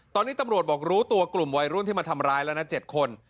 ตอนนี้ตำรวจบอกรู้ตัวกลุ่มวัยรุ่นที่มาทำร้ายแล้วนะ๗คน